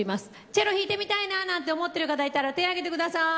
チェロ弾いてみたいななんて思ってる方がいたら手を上げてください。